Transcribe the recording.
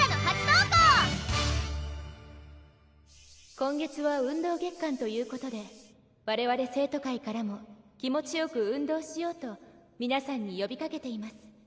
今月は運動月間ということでわれわれ生徒会からも気持ちよく運動しようと皆さんによびかけています